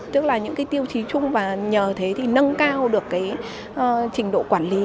tức là những cái tiêu chí chung và nhờ thế thì nâng cao được cái trình độ quản lý